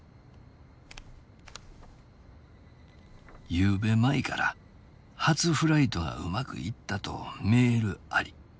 「昨夜舞から初フライトがうまくいったとメールあり。